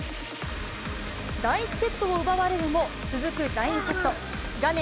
第１セットを奪われるも、続く第２セット、画面